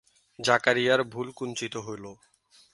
জাকারিয়ার ভুরু কুঞ্চিত হল।